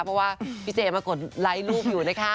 เพราะว่าพี่เจมากดไลค์ลูกอยู่นะคะ